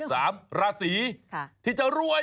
สามราศีที่จะรวย